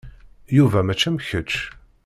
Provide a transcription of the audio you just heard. Yuba mačči am kečč.